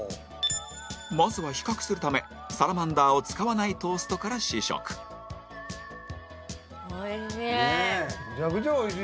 まずは、比較するためサラマンダーを使わないトーストから試食おいしい！